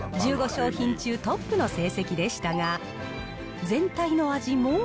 １５商品中トップの成績でしたが、全体の味も。